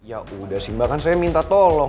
ya udah sih mbak kan saya minta tolong